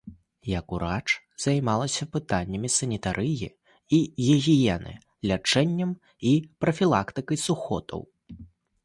Як урач займалася пытаннямі санітарыі і гігіены, лячэннем і прафілактыкай сухотаў.